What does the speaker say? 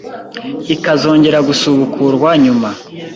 ikazongera gusubukurwa nyuma